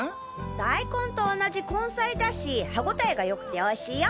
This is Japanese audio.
大根と同じ根菜だし歯ごたえがよくて美味しいよ。